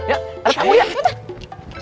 eh ada tamu ya sebentar mbak